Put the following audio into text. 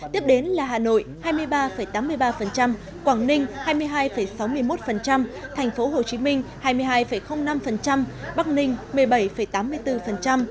tiếp đến là hà nội hai mươi ba tám mươi ba quảng ninh hai mươi hai sáu mươi một thành phố hồ chí minh hai mươi hai năm bắc ninh một mươi bảy tám mươi bốn